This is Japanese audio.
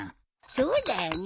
そうだよね。